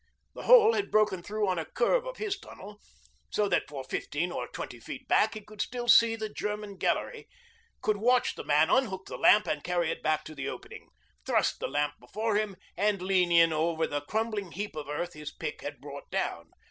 The hole had broken through on a curve of his tunnel, so that for fifteen or twenty feet back he could still see down the German gallery, could watch the man unhook the lamp and carry it back to the opening, thrust the lamp before him and lean in over the crumbling heap of earth his pick had brought down.